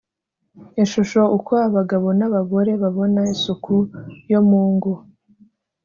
ishusho uko abagabo n abagore babona isuku yo mu ngo